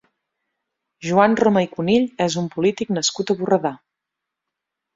Joan Roma i Cunill és un polític nascut a Borredà.